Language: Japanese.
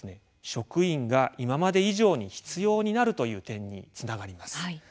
職員が今まで以上に必要になるという点につながります。